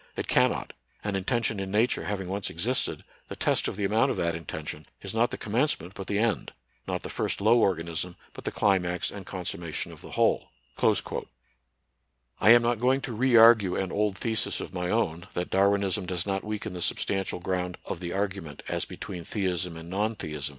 It can not, and intention in Nature having once ex isted, the test of the amount of that intention is not the commencement but the end, not the first low organism, but the climax and consum mation of the whole." * I am not going to re argue an old thesis of my own that Darwinism does not weaken the substantial ground of the argument, as between theism and non theism, for design in Nature.! * Mozley, Essays, ii.